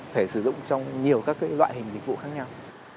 sẽ sử dụng trong nhiều các loại hình dịch vụ khác nhau